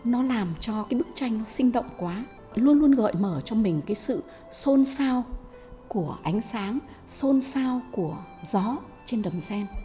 nó làm cho cái bức tranh nó sinh động quá luôn luôn gợi mở cho mình cái sự sôn sao của ánh sáng sôn sao của gió trên đầm sen